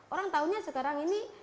orang tahunya sekarang ini